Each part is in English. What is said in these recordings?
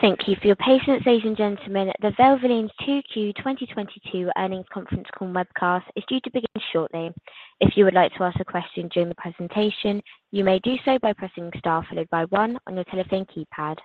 Thank you for your patience, ladies and gentlemen. The Valvoline 2Q 2022 earnings conference call webcast is due to begin shortly. If you would like to ask a question during the presentation, you may do so by pressing star followed by one on your telephone keypad.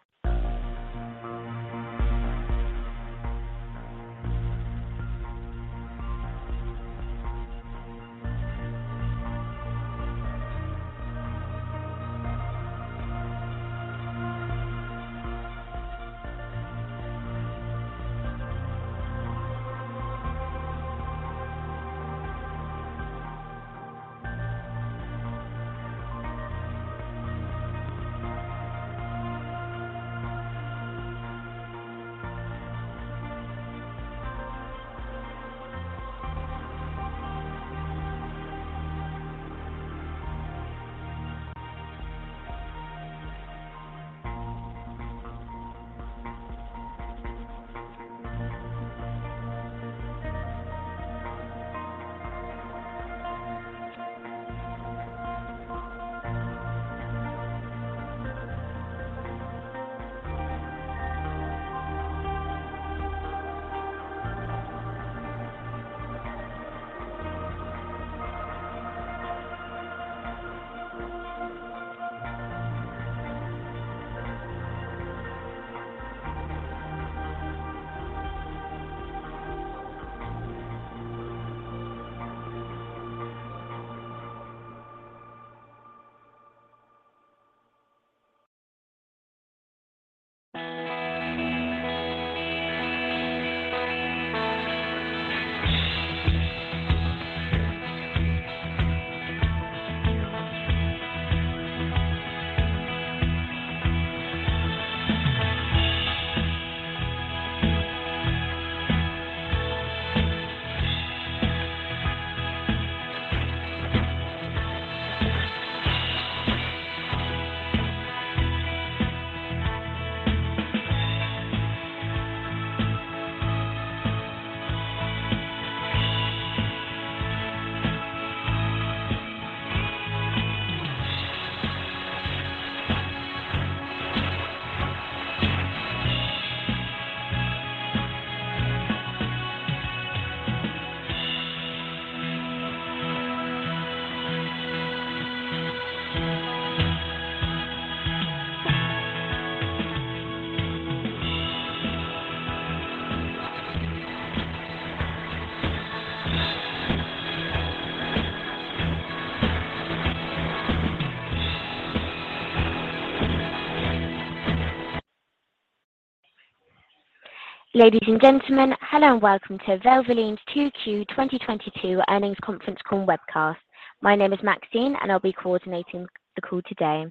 Ladies and gentlemen, hello and welcome to Valvoline's 2Q 2022 earnings conference call and webcast. My name is Maxine, and I'll be coordinating the call today.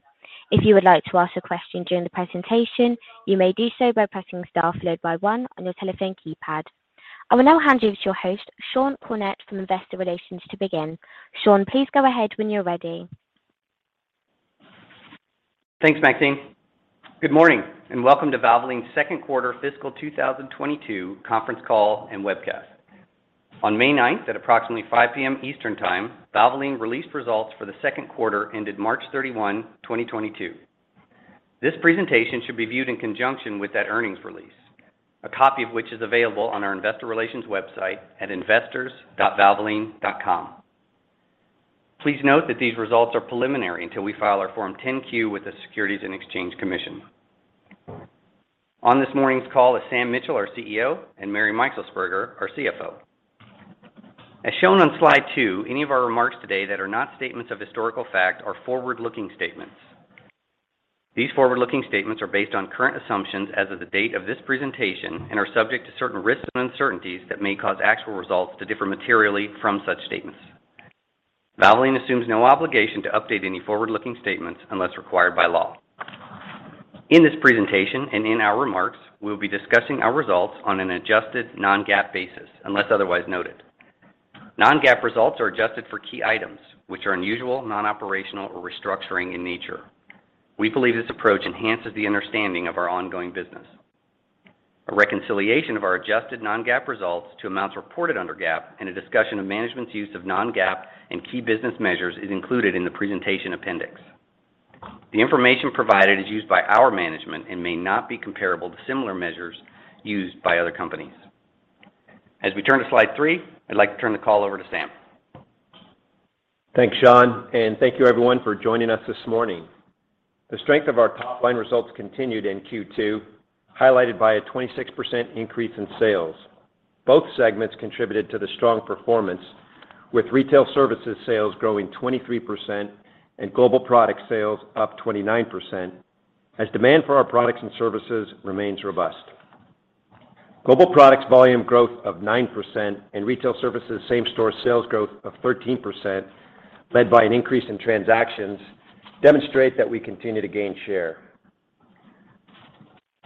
If you would like to ask a question during the presentation, you may do so by pressing star followed by one on your telephone keypad. I will now hand you to your host, Sean Cornett, from Investor Relations to begin. Sean, please go ahead when you're ready. Thanks, Maxine. Good morning, and welcome to Valvoline's second quarter fiscal 2022 conference call and webcast. On 9th May, at approximately 5 P.M. Eastern Time, Valvoline released results for the second quarter ended 31st March 2022. This presentation should be viewed in conjunction with that earnings release, a copy of which is available on our investor relations website at investors.valvoline.com. Please note that these results are preliminary until we file our Form 10-Q with the Securities and Exchange Commission. On this morning's call is Sam Mitchell, our CEO, and Mary Meixelsperger, our CFO. As shown on slide two, any of our remarks today that are not statements of historical fact are forward-looking statements. These forward-looking statements are based on current assumptions as of the date of this presentation and are subject to certain risks and uncertainties that may cause actual results to differ materially from such statements. Valvoline assumes no obligation to update any forward-looking statements unless required by law. In this presentation and in our remarks, we'll be discussing our results on an adjusted non-GAAP basis unless otherwise noted. Non-GAAP results are adjusted for key items which are unusual, non-operational or restructuring in nature. We believe this approach enhances the understanding of our ongoing business. A reconciliation of our adjusted non-GAAP results to amounts reported under GAAP and a discussion of management's use of non-GAAP and key business measures is included in the presentation appendix. The information provided is used by our management and may not be comparable to similar measures used by other companies. As we turn to slide three, I'd like to turn the call over to Sam. Thanks, Sean, and thank you everyone for joining us this morning. The strength of our top line results continued in Q2, highlighted by a 26% increase in sales. Both segments contributed to the strong performance, with retail services sales growing 23% and global product sales up 29% as demand for our products and services remains robust. Global products volume growth of 9% and retail services same-store sales growth of 13%, led by an increase in transactions, demonstrate that we continue to gain share.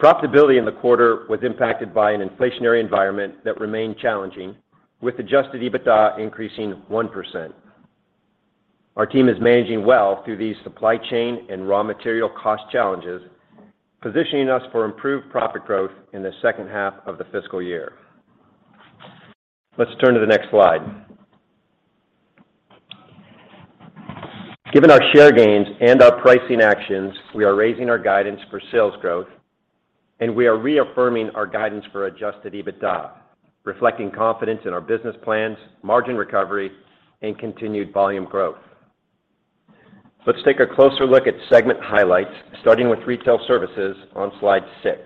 Profitability in the quarter was impacted by an inflationary environment that remained challenging with adjusted EBITDA increasing 1%. Our team is managing well through these supply chain and raw material cost challenges, positioning us for improved profit growth in the second half of the fiscal year. Let's turn to the next slide. Given our share gains and our pricing actions, we are raising our guidance for sales growth and we are reaffirming our guidance for adjusted EBITDA, reflecting confidence in our business plans, margin recovery, and continued volume growth. Let's take a closer look at segment highlights, starting with retail services on slide six.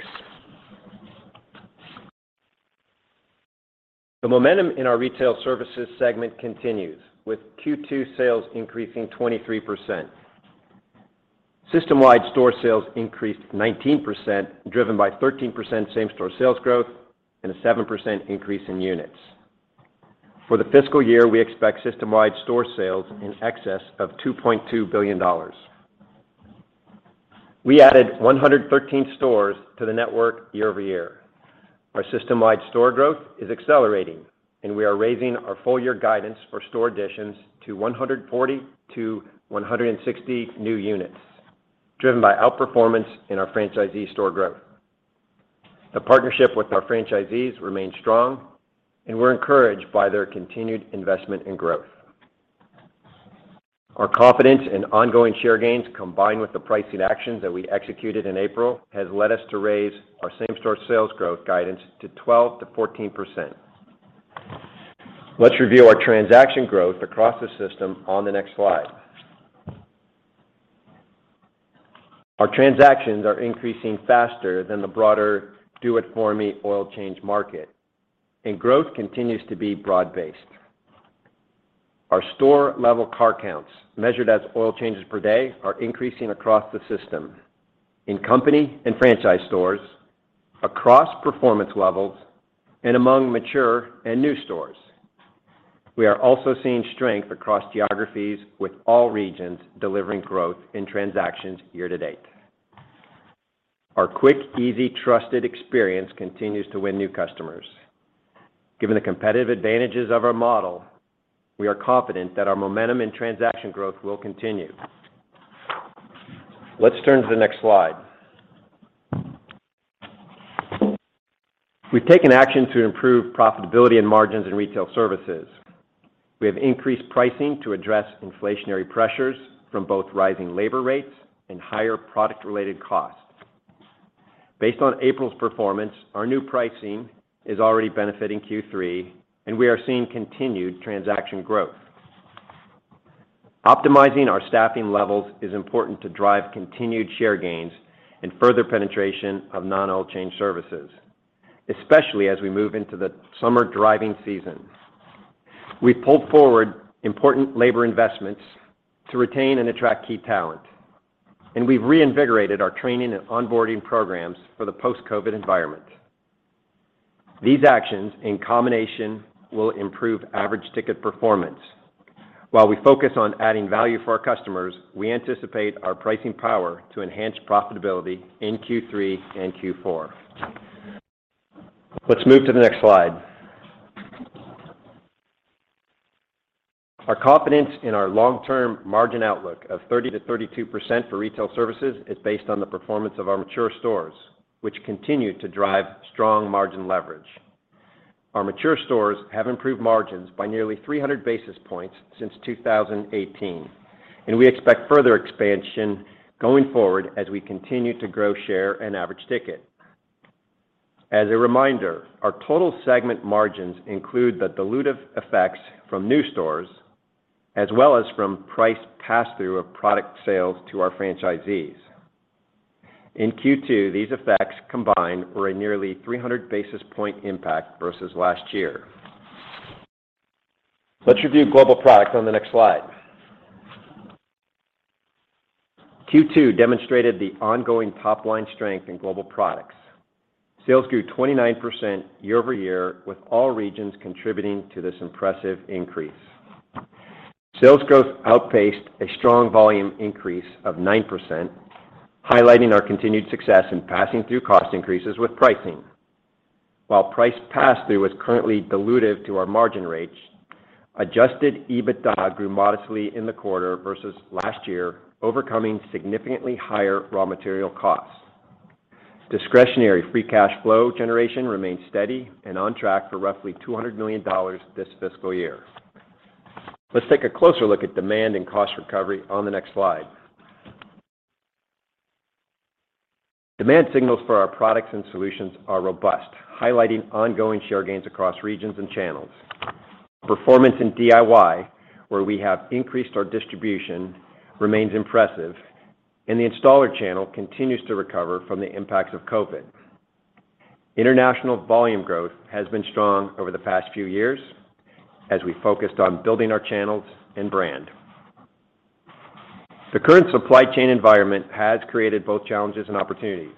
The momentum in our retail services segment continues with Q2 sales increasing 23%. System-wide store sales increased 19%, driven by 13% same-store sales growth and a 7% increase in units. For the fiscal year, we expect system-wide store sales in excess of $2.2 billion. We added 113 stores to the network year-over-year. Our system-wide store growth is accelerating, and we are raising our full year guidance for store additions to 140-160 new units, driven by outperformance in our franchisee store growth. The partnership with our franchisees remains strong, and we're encouraged by their continued investment in growth. Our confidence in ongoing share gains, combined with the pricing actions that we executed in April, has led us to raise our same-store sales growth guidance to 12%-14%. Let's review our transaction growth across the system on the next slide. Our transactions are increasing faster than the broader do-it-for-me oil change market, and growth continues to be broad-based. Our store-level car counts, measured as oil changes per day, are increasing across the system in company and franchise stores across performance levels and among mature and new stores. We are also seeing strength across geographies with all regions delivering growth in transactions year to date. Our quick, easy, trusted experience continues to win new customers. Given the competitive advantages of our model, we are confident that our momentum and transaction growth will continue. Let's turn to the next slide. We've taken action to improve profitability and margins in retail services. We have increased pricing to address inflationary pressures from both rising labor rates and higher product-related costs. Based on April's performance, our new pricing is already benefiting Q3, and we are seeing continued transaction growth. Optimizing our staffing levels is important to drive continued share gains and further penetration of non-oil change services, especially as we move into the summer driving season. We pulled forward important labor investments to retain and attract key talent, and we've reinvigorated our training and onboarding programs for the post-COVID environment. These actions in combination will improve average ticket performance. While we focus on adding value for our customers, we anticipate our pricing power to enhance profitability in Q3 and Q4. Let's move to the next slide. Our confidence in our long-term margin outlook of 30%-32% for retail services is based on the performance of our mature stores, which continue to drive strong margin leverage. Our mature stores have improved margins by nearly 300 basis points since 2018, and we expect further expansion going forward as we continue to grow, share, and average ticket. As a reminder, our total segment margins include the dilutive effects from new stores as well as from price passthrough of product sales to our franchisees. In Q2, these effects combined were a nearly 300 basis point impact versus last year. Let's review global products on the next slide. Q2 demonstrated the ongoing top-line strength in global products. Sales grew 29% year-over-year, with all regions contributing to this impressive increase. Sales growth outpaced a strong volume increase of 9%, highlighting our continued success in passing through cost increases with pricing. While price pass-through is currently dilutive to our margin rates, adjusted EBITDA grew modestly in the quarter versus last year, overcoming significantly higher raw material costs. Discretionary free cash flow generation remains steady and on track for roughly $200 million this fiscal year. Let's take a closer look at demand and cost recovery on the next slide. Demand signals for our products and solutions are robust, highlighting ongoing share gains across regions and channels. Performance in DIY, where we have increased our distribution, remains impressive, and the installer channel continues to recover from the impacts of COVID. International volume growth has been strong over the past few years as we focused on building our channels and brand. The current supply chain environment has created both challenges and opportunities.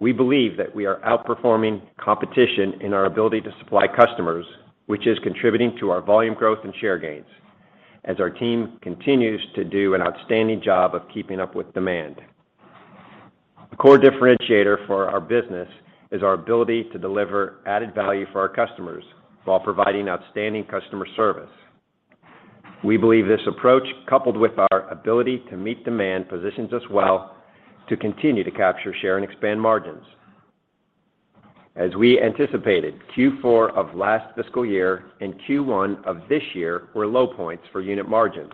We believe that we are outperforming competition in our ability to supply customers, which is contributing to our volume growth and share gains as our team continues to do an outstanding job of keeping up with demand. A core differentiator for our business is our ability to deliver added value for our customers while providing outstanding customer service. We believe this approach, coupled with our ability to meet demand, positions us well to continue to capture, share, and expand margins. As we anticipated, Q4 of last fiscal year and Q1 of this year were low points for unit margins.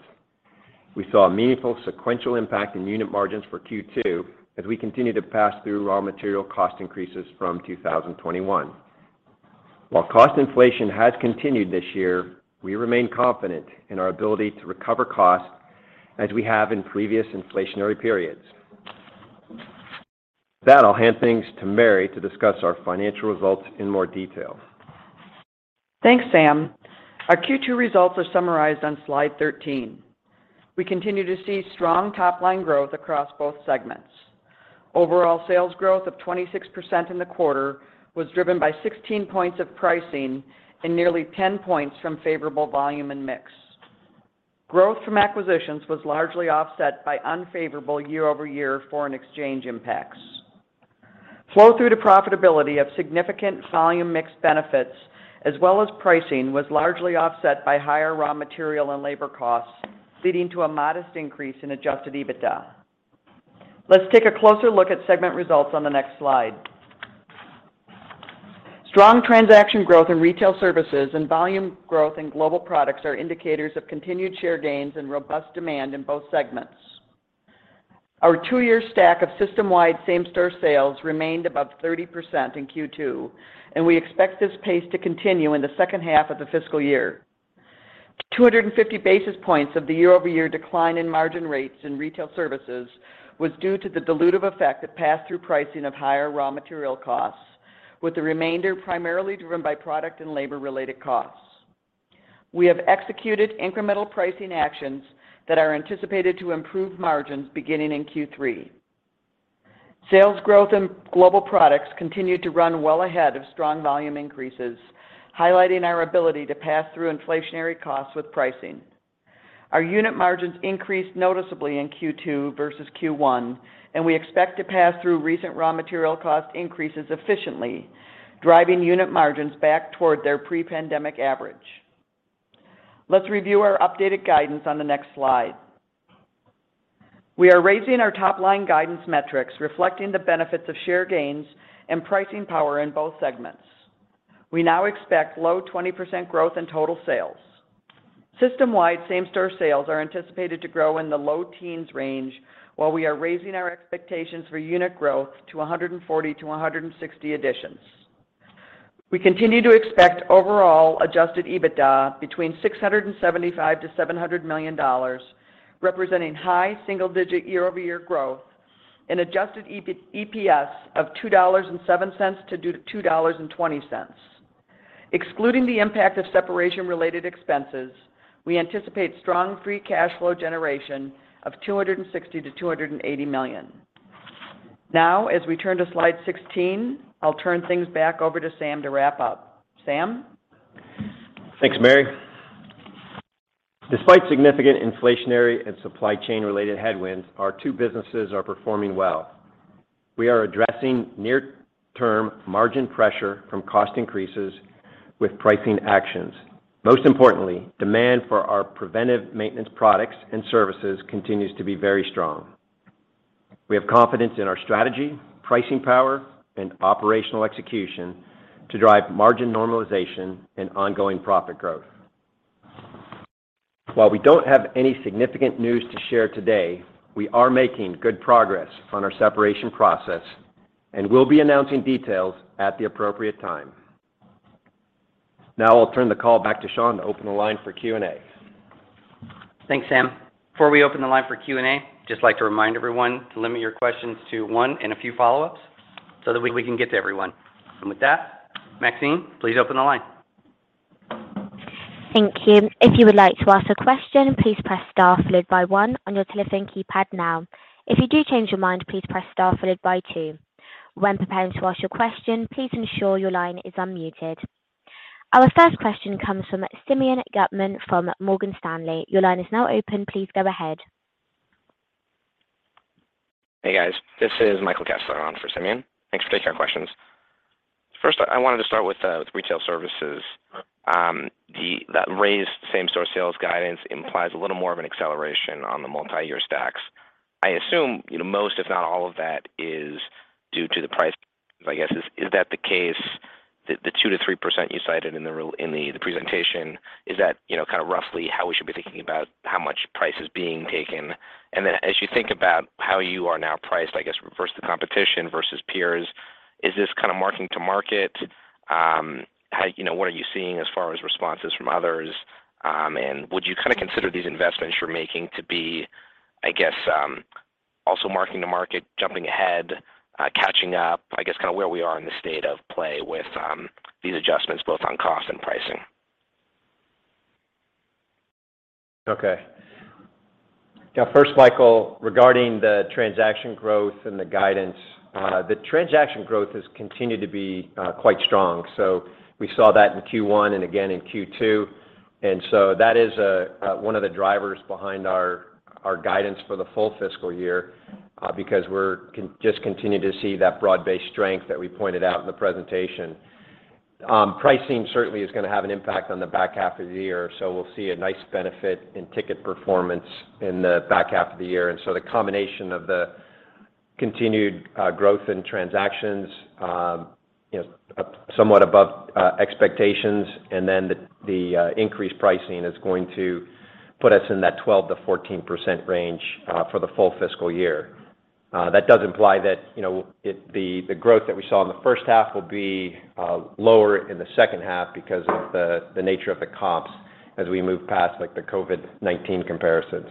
We saw a meaningful sequential impact in unit margins for Q2 as we continue to pass through raw material cost increases from 2021. While cost inflation has continued this year, we remain confident in our ability to recover costs as we have in previous inflationary periods. With that, I'll hand things to Mary to discuss our financial results in more detail. Thanks, Sam. Our Q2 results are summarized on slide 13. We continue to see strong top-line growth across both segments. Overall sales growth of 26% in the quarter was driven by 16 points of pricing and nearly 10 points from favorable volume and mix. Growth from acquisitions was largely offset by unfavorable year-over-year foreign exchange impacts. Flow-through to profitability of significant volume mixed benefits as well as pricing was largely offset by higher raw material and labor costs, leading to a modest increase in adjusted EBITDA. Let's take a closer look at segment results on the next slide. Strong transaction growth in retail services and volume growth in global products are indicators of continued share gains and robust demand in both segments. Our two-year stack of system-wide same-store sales remained above 30% in Q2, and we expect this pace to continue in the second half of the fiscal year. 250 basis points of the year-over-year decline in margin rates in retail services was due to the dilutive effect of pass-through pricing of higher raw material costs, with the remainder primarily driven by product and labor-related costs. We have executed incremental pricing actions that are anticipated to improve margins beginning in Q3. Sales growth in global products continued to run well ahead of strong volume increases, highlighting our ability to pass through inflationary costs with pricing. Our unit margins increased noticeably in Q2 versus Q1, and we expect to pass through recent raw material cost increases efficiently, driving unit margins back toward their pre-pandemic average. Let's review our updated guidance on the next slide. We are raising our top-line guidance metrics reflecting the benefits of share gains and pricing power in both segments. We now expect low 20% growth in total sales. System-wide same-store sales are anticipated to grow in the low teens range while we are raising our expectations for unit growth to 140-160 additions. We continue to expect overall adjusted EBITDA between $675 million-$700 million, representing high single digit year-over-year growth and adjusted EPS of $2.07-$2.20. Excluding the impact of separation-related expenses, we anticipate strong free cash flow generation of $260 million-$280 million. Now, as we turn to slide 16, I'll turn things back over to Sam to wrap up. Sam? Thanks, Mary. Despite significant inflationary and supply chain-related headwinds, our two businesses are performing well. We are addressing near-term margin pressure from cost increases with pricing actions. Most importantly, demand for our preventive maintenance products and services continues to be very strong. We have confidence in our strategy, pricing power, and operational execution to drive margin normalization and ongoing profit growth. While we don't have any significant news to share today, we are making good progress on our separation process, and we'll be announcing details at the appropriate time. Now I'll turn the call back to Sean to open the line for Q&A. Thanks, Sam. Before we open the line for Q&A, just like to remind everyone to limit your questions to one and a few follow-ups so that we can get to everyone. With that, Maxine, please open the line. Thank you. If you would like to ask a question, please press star followed by one on your telephone keypad now. If you do change your mind, please press star followed by two. When preparing to ask your question, please ensure your line is unmuted. Our first question comes from Simeon Gutman from Morgan Stanley. Your line is now open. Please go ahead. Hey, guys. This is Michael Kessler on for Simeon. Thanks for taking our questions. First, I wanted to start with retail services. That raised same-store sales guidance implies a little more of an acceleration on the multiyear stacks. I assume, you know, most, if not all of that is due to the price. I guess, is that the case, the 2%-3% you cited in the presentation, is that, you know, kind of roughly how we should be thinking about how much price is being taken? As you think about how you are now priced, I guess, versus the competition versus peers, is this kind of marking to market? How, you know, what are you seeing as far as responses from others? Would you kind of consider these investments you're making to be, I guess, also mark-to-market, jumping ahead, catching up? I guess kind of where we are in the state of play with these adjustments, both on cost and pricing. Okay. Yeah. First, Michael, regarding the transaction growth and the guidance, the transaction growth has continued to be quite strong. We saw that in Q1 and again in Q2, and that is one of the drivers behind our guidance for the full fiscal year because we're just continuing to see that broad-based strength that we pointed out in the presentation. Pricing certainly is gonna have an impact on the back half of the year, so we'll see a nice benefit in ticket performance in the back half of the year. The combination of the continued growth in transactions, you know, somewhat above expectations, and then the increased pricing is going to put us in that 12%-14% range for the full fiscal year. That does imply that, you know, the growth that we saw in the first half will be lower in the second half because of the nature of the comps as we move past, like, the COVID-19 comparisons.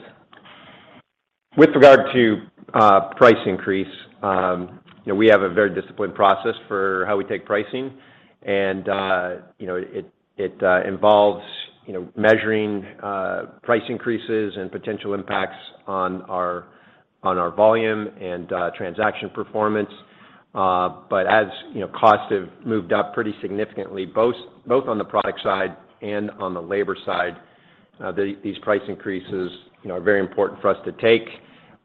With regard to price increase, you know, we have a very disciplined process for how we take pricing. You know, it involves, you know, measuring price increases and potential impacts on our volume and transaction performance. As, you know, costs have moved up pretty significantly, both on the product side and on the labor side, these price increases, you know, are very important for us to take.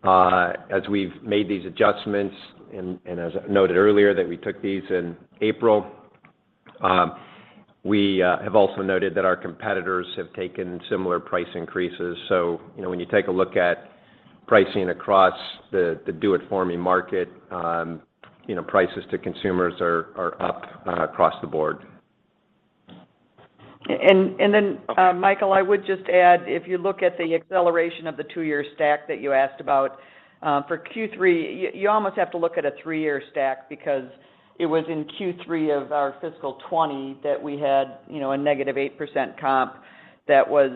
As we've made these adjustments, and as noted earlier that we took these in April, we have also noted that our competitors have taken similar price increases. You know, when you take a look at pricing across the do-it-for-me market, you know, prices to consumers are up across the board. Michael, I would just add, if you look at the acceleration of the two-year stack that you asked about for Q3, you almost have to look at a three-year stack because it was in Q3 of our fiscal 2020 that we had, you know, a negative 8% comp that was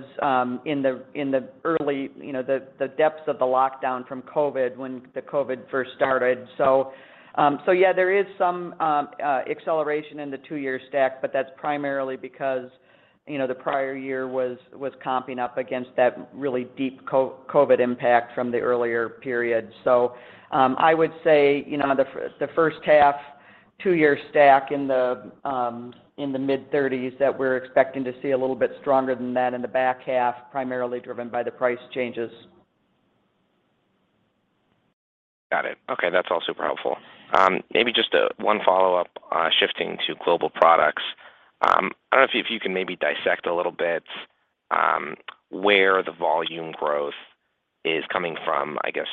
in the early, you know, the depths of the lockdown from COVID when the COVID first started. Yeah, there is some acceleration in the two-year stack, but that's primarily because, you know, the prior year was comping up against that really deep COVID impact from the earlier period. I would say, you know, the first half, two-year stack in the mid-thirties that we're expecting to see a little bit stronger than that in the back half, primarily driven by the price changes. Got it. Okay, that's all super helpful. Maybe just one follow-up, shifting to global products. I don't know if you can maybe dissect a little bit where the volume growth is coming from. I guess,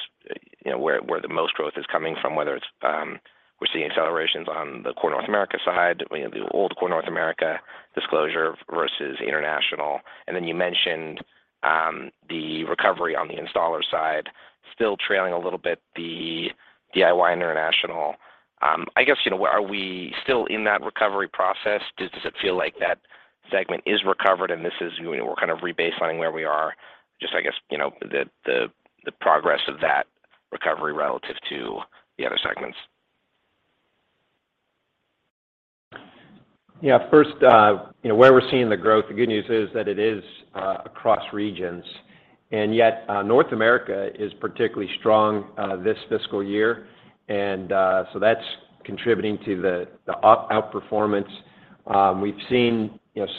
you know, where the most growth is coming from, whether it's we're seeing accelerations on the core North America side, you know, the old core North America disclosure versus international. Then you mentioned the recovery on the installer side still trailing a little bit the DIY international. I guess, you know, are we still in that recovery process? Does it feel like that segment is recovered and this is, you know, we're kind of rebaselining where we are? Just, I guess, you know, the progress of that recovery relative to the other segments. Yeah. First, you know, where we're seeing the growth, the good news is that it is across regions, and yet North America is particularly strong this fiscal year. That's contributing to the outperformance. We've seen, you know,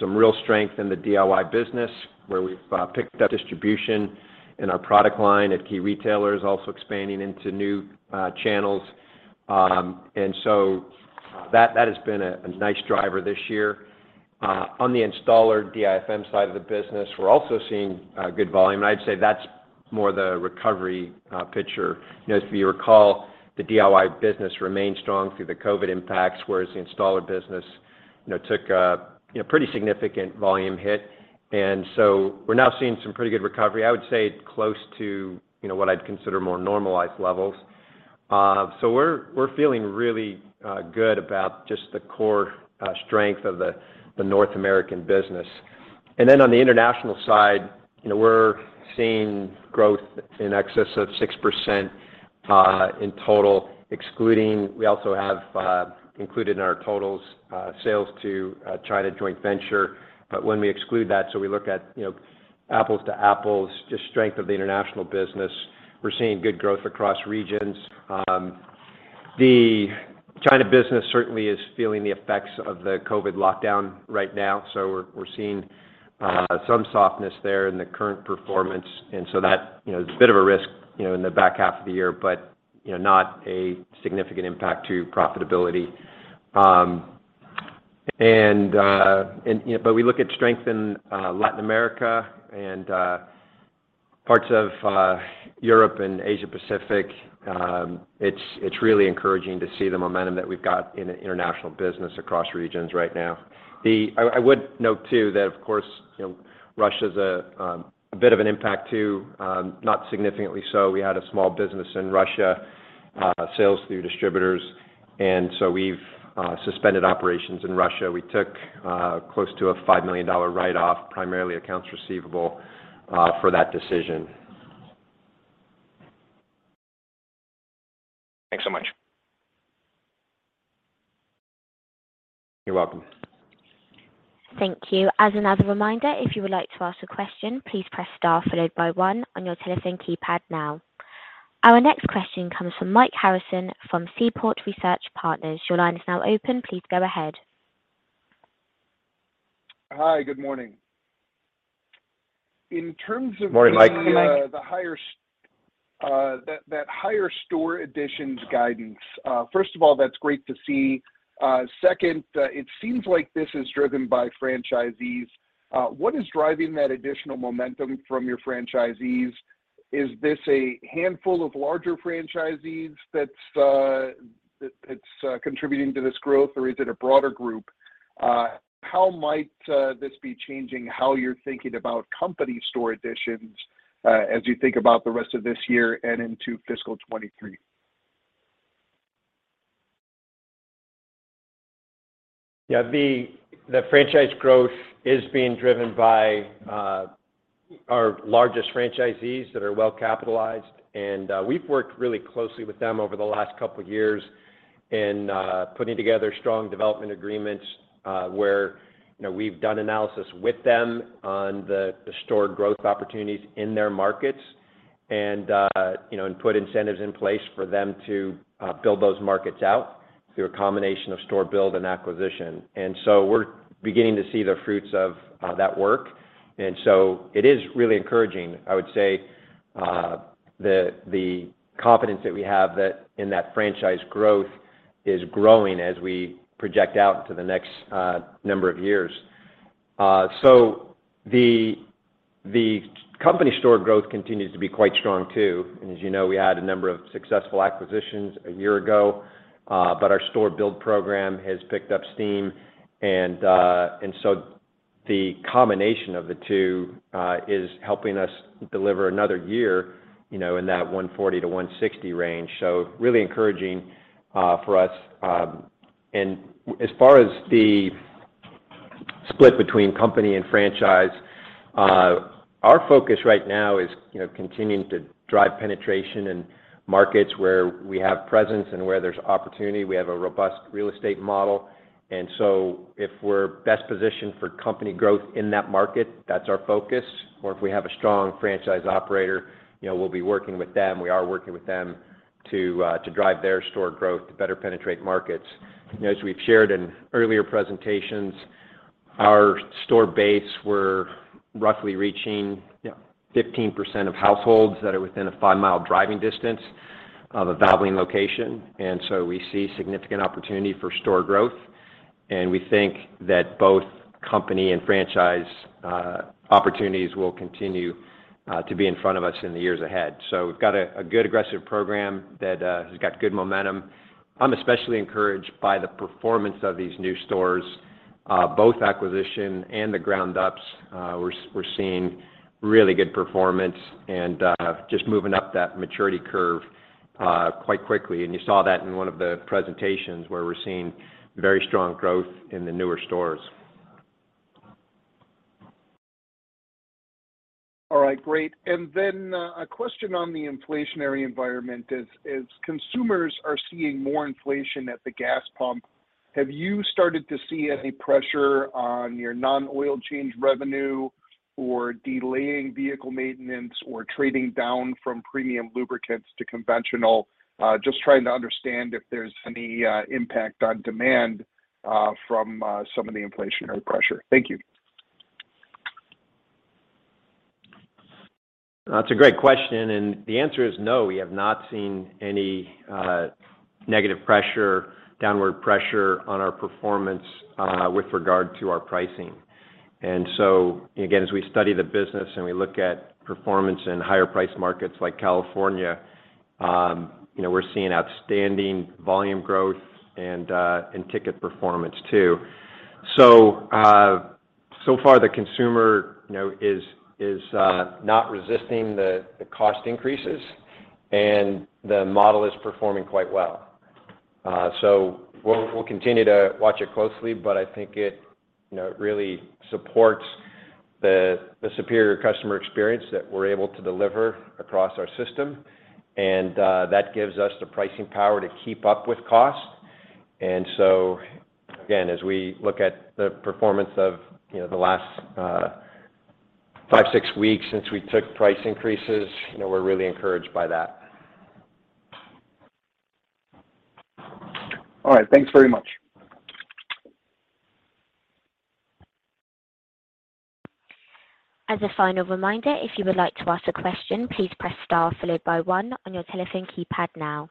some real strength in the DIY business, where we've picked up distribution in our product line at key retailers, also expanding into new channels. That has been a nice driver this year. On the installer DIFM side of the business, we're also seeing good volume. I'd say that's more the recovery picture. You know, if you recall, the DIY business remained strong through the COVID impacts, whereas the installer business, you know, took a you know pretty significant volume hit. We're now seeing some pretty good recovery. I would say close to, you know, what I'd consider more normalized levels. We're feeling really good about just the core strength of the North American business. On the international side, you know, we're seeing growth in excess of 6% in total. We also have included in our totals sales to China joint venture. When we exclude that, we look at, you know, apples to apples, just strength of the international business, we're seeing good growth across regions. The China business certainly is feeling the effects of the COVID lockdown right now. We're seeing some softness there in the current performance. That, you know, is a bit of a risk, you know, in the back half of the year, but, you know, not a significant impact to profitability. You know, we look at strength in Latin America and parts of Europe and Asia Pacific. It's really encouraging to see the momentum that we've got in the international business across regions right now. I would note too that, of course, you know, Russia's a bit of an impact too, not significantly so. We had a small business in Russia, sales through distributors, and we've suspended operations in Russia. We took close to a $5 million write-off, primarily accounts receivable, for that decision. Thanks so much. You're welcome. Thank you. As another reminder, if you would like to ask a question, please press star followed by one on your telephone keypad now. Our next question comes from Mike Harrison from Seaport Research Partners. Your line is now open. Please go ahead. Hi, good morning. Morning, Mike. The higher store additions guidance, first of all, that's great to see. Second, it seems like this is driven by franchisees. What is driving that additional momentum from your franchisees? Is this a handful of larger franchisees that's contributing to this growth, or is it a broader group? How might this be changing how you're thinking about company store additions, as you think about the rest of this year and into fiscal 2023? Yeah. The franchise growth is being driven by our largest franchisees that are well-capitalized, and we've worked really closely with them over the last couple years in putting together strong development agreements, where, you know, we've done analysis with them on the store growth opportunities in their markets and, you know, and put incentives in place for them to build those markets out through a combination of store build and acquisition. We're beginning to see the fruits of that work, and so it is really encouraging. I would say the confidence that we have that in that franchise growth is growing as we project out into the next number of years. The company store growth continues to be quite strong too. As you know, we had a number of successful acquisitions a year ago, but our store build program has picked up steam and so the combination of the two is helping us deliver another year, you know, in that 140-160 range. So really encouraging for us. As far as the split between company and franchise, our focus right now is, you know, continuing to drive penetration in markets where we have presence and where there's opportunity. We have a robust real estate model and so if we're best positioned for company growth in that market, that's our focus. Or if we have a strong franchise operator, you know, we'll be working with them. We are working with them to drive their store growth to better penetrate markets. You know, as we've shared in earlier presentations, our store base, we're roughly reaching, you know, 15% of households that are within a five-mile driving distance of a Valvoline location. We see significant opportunity for store growth, and we think that both company and franchise opportunities will continue to be in front of us in the years ahead. We've got a good aggressive program that has got good momentum. I'm especially encouraged by the performance of these new stores, both acquisition and the ground ups. We're seeing really good performance and just moving up that maturity curve quite quickly. You saw that in one of the presentations where we're seeing very strong growth in the newer stores. All right, great. A question on the inflationary environment is, as consumers are seeing more inflation at the gas pump, have you started to see any pressure on your non-oil change revenue or delaying vehicle maintenance or trading down from premium lubricants to conventional? Just trying to understand if there's any impact on demand from some of the inflationary pressure. Thank you. That's a great question, and the answer is no. We have not seen any negative pressure, downward pressure on our performance with regard to our pricing. Again, as we study the business and we look at performance in higher priced markets like California, you know, we're seeing outstanding volume growth and ticket performance too. So far the consumer, you know, is not resisting the cost increases and the model is performing quite well. We'll continue to watch it closely, but I think it, you know, really supports the superior customer experience that we're able to deliver across our system and that gives us the pricing power to keep up with cost. Again, as we look at the performance of, you know, the last five, six weeks since we took price increases, you know, we're really encouraged by that. All right. Thanks very much. As a final reminder, if you would like to ask a question, please press star followed by one on your telephone keypad now.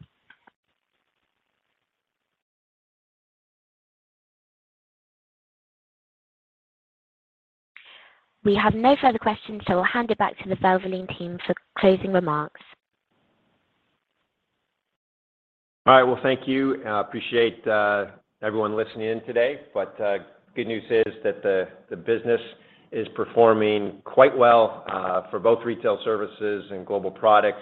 We have no further questions, so I'll hand it back to the Valvoline team for closing remarks. All right, well, thank you. I appreciate everyone listening in today, but good news is that the business is performing quite well for both retail services and global products.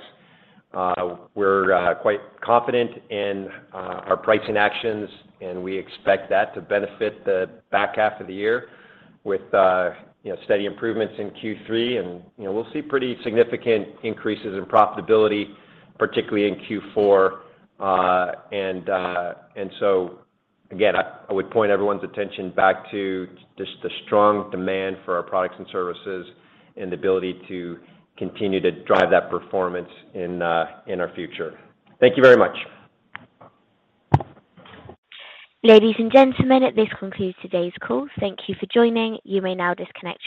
We're quite confident in our pricing actions, and we expect that to benefit the back half of the year with you know steady improvements in Q3. You know, we'll see pretty significant increases in profitability, particularly in Q4. Again, I would point everyone's attention back to just the strong demand for our products and services and the ability to continue to drive that performance in our future. Thank you very much. Ladies and gentlemen, this concludes today's call. Thank you for joining. You may now disconnect.